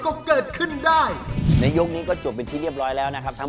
ตอนนี้เสื้อคนละท่ำมีคะแนนตีเสมอมาได้แล้วเป็น๒คะแนน